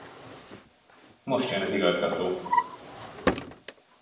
Most jön az igazgató.